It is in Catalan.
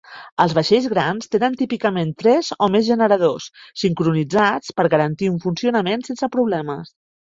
Els vaixells grans tenen típicament tres o més generadors sincronitzats per garantir un funcionament sense problemes.